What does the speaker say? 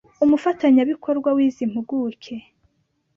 umufatanyabikorwa w’izi mpuguke